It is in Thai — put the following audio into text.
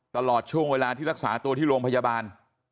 ตลอดช่วงเวลาที่รักษาตัวที่โรงพยาบาล